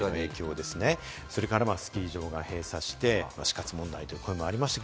それからスキー場が閉鎖して、死活問題という声もありました。